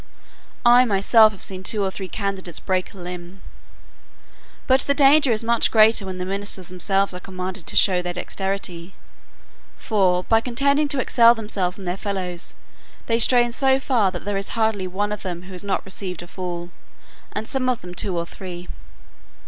I myself have seen two or three candidates break a limb. But the danger is much greater, when the ministers themselves are commanded to show their dexterity; for, by contending to excel themselves and their fellows, they strain so far that there is hardly one of them who has not received a fall, and some of them two or three.